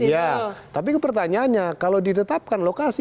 ya tapi pertanyaannya kalau ditetapkan lokasi